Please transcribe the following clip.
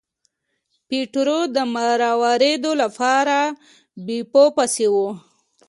پیټرو د مروارید لپاره بیپو پسې و.